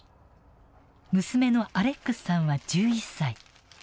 娘のアレックスさんは１１歳。